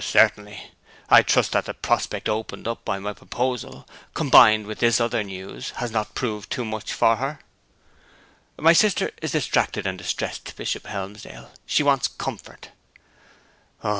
'Certainly. I trust that the prospect opened up by my proposal, combined with this other news, has not proved too much for her?' 'My sister is distracted and distressed, Bishop Helmsdale. She wants comfort.'